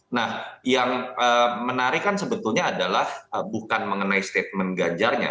nah yang menarik kan sebetulnya adalah bukan mengenai statement ganjarnya